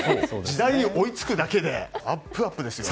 時代に追いつくだけでアップアップですよね。